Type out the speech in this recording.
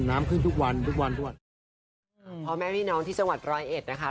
น้ำขึ้นทุกวันทุกวันด้วยพ่อแม่พี่น้องที่จังหวัดร้อยเอ็ดนะคะ